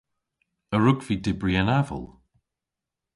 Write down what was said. A wrug vy dybri an aval?